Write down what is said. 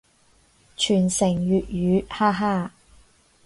傳承粵語，哈哈